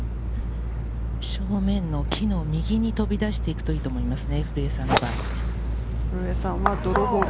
正面の木の右に飛び出していくといいと思いますね。